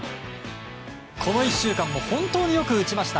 この１週間も本当によく打ちました。